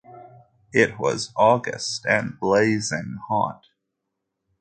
It was August and blazing hot.